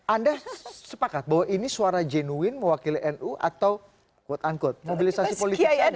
anda sepakat bahwa ini suara jenuin mewakili nu atau mobilisasi politik